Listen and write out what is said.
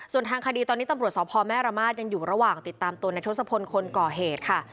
ส่วนทางคดีตอนนี้ตำรวจสพแม่ระมาทยังอยู่ระหว่างติดตามตัวในทศพลคนก่อเหตุค่ะ